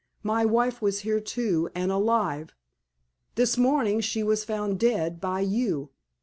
My wife was here, too, and alive. This morning she was found dead, by you.